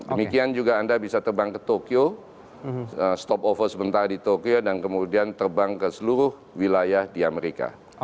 demikian juga anda bisa terbang ke tokyo stop over sebentar di tokyo dan kemudian terbang ke seluruh wilayah di amerika